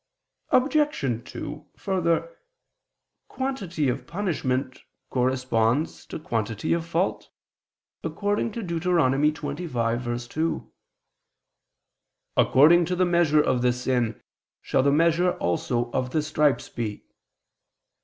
Obj. 2: Further, quantity of punishment corresponds to quantity of fault, according to Deut. 25:2: "According to the measure of the sin shall the measure also of the stripes be."